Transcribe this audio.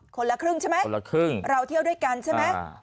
คนละครึ่งใช่ไหมคนละครึ่งเราเที่ยวด้วยกันใช่ไหม